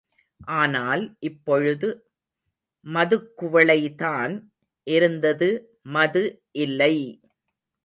ஆனால் இப்பொழுது மதுக்குவளைதான் இருந்தது மது இல்லை!